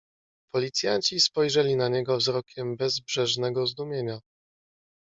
"Policjanci spojrzeli na niego wzrokiem bezbrzeżnego zdumienia."